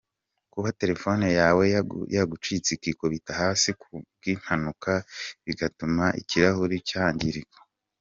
Kuba telefone yawe yagucitse ikikubita hasi kubwimpanuka bigatuma ikirahuri cyangirika.